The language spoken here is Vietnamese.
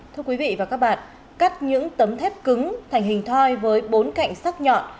thưa quý vị và các bạn cắt những tấm thép cứng thành hình thoi với bốn cạnh sắc nhọn